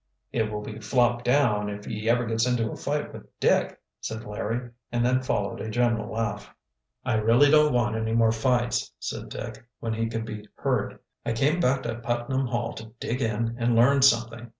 "It will be Flopdown, if he ever gets into a fight with Dick," said Larry, and then followed a general laugh. "I really don't want any more fights," said Dick, when he could be heard. "I came back to Putnam Hall to dig in and learn something.